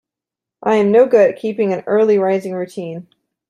I'm no good at keeping an early rising routine.